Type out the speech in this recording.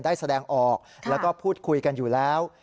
ได้แสดงออกแล้วก็พูดคุยกันอยู่แล้ว